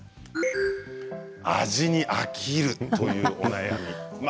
味に飽きるというお悩み。